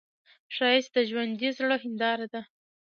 ښایست د ژوندي زړه هنداره ده